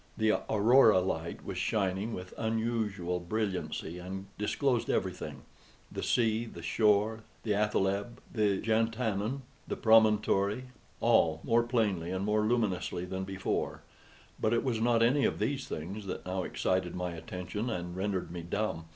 The aurora light was shining with unusual brilliancy, and disclosed everything the sea, the shore, the athaleb, the jantannin, the promontory, all more plainly and more luminously than before; but it was not any of these things that now excited my attention and rendered me dumb.